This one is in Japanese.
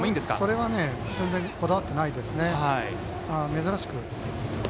それはあまりこだわってないですね。